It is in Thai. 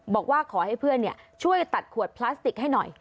บอกว่าขอให้เพื่อนช่วยตัดขวดพลาสติกให้หน่อย